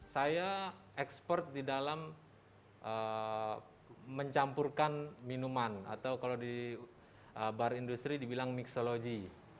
saya expert di dalam mencampurkan minuman atau kalau di bar industri dibilang mixology